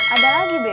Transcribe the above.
ada lagi be